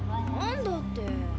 「なんだ」って。